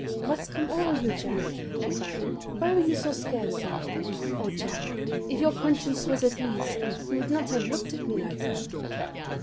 "What's come over you, Jack?" she cried. "Why were you so scared of me? Oh, Jack, if your conscience was at ease, you would not have looked at me like that!"